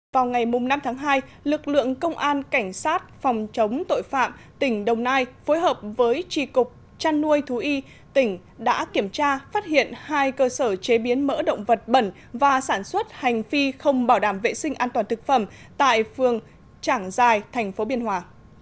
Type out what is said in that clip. vào ngày năm tháng hai lực lượng công an cảnh sát phòng chống tội phạm tỉnh đồng nai phối hợp với trì cục chăn nuôi thú y tỉnh đã kiểm tra phát hiện hai cơ sở chế biến mỡ động vật bẩn và sản xuất hành phi không bảo đảm vệ sinh an toàn thực phẩm tại phường trảng giài thành phố biên hòa